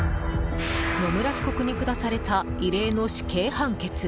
野村被告に下された異例の死刑判決。